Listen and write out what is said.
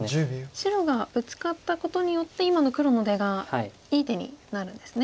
白がブツカったことによって今の黒の出がいい手になるんですね。